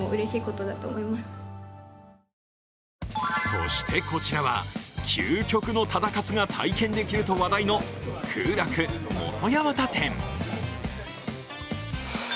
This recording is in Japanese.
そしてこちらは、究極のタダ活が体験できると話題のくふ楽本八幡店。